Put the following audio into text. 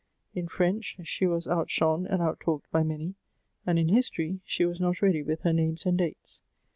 In French, she was outshone and out talked by many; and in history she was not ready with her names and dates.